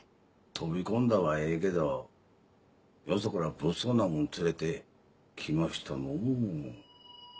飛び込んだはええけどよそから物騒な者連れて来ましたのう。